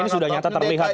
ini sudah nyata terlihat ini